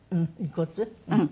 うん。